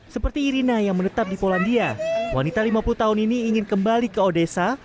seperti irina yang menetap di polandia wanita lima puluh tahun ini ingin kembali ke odesa